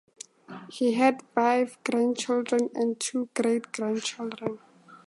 He had five grandchildren and two great-grandchildren.